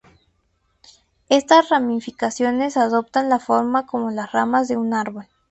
Estas ramificaciones adoptan la forma como las ramas de un árbol.